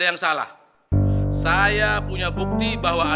jadilah multim dera